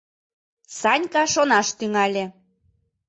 Санька шонаш тӱҥале.